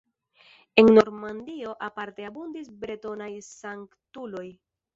En Normandio aparte abundis bretonaj sanktuloj.